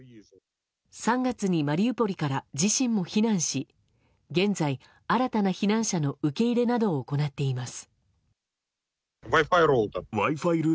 ３月に、マリウポリから自身も避難し現在、新たな避難者の受け入れなどを行っています。